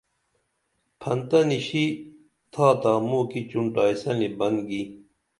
پھنتہ نِشی تھاتا موں کی چونٹائسنی بن گی